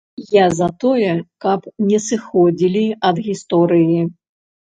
Я за тое, каб не сыходзілі ад гісторыі.